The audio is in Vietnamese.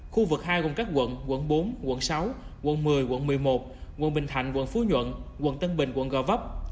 khu vực hai gồm các quận quận bốn quận sáu quận một mươi quận một mươi một quận bình thạnh quận phú nhuận quận tân bình quận gò vấp